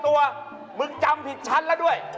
ไม่จำผิดชั้นละตก